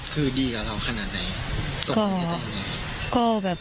เช็ดงานใช่ค่ะครับ